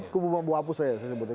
kubu bambu apus saya sebutnya